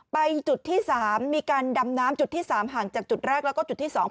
ไปจุดที่๓มีการดำน้ำจุดที่๓ห่างจากจุดแรกแล้วก็จุดที่๒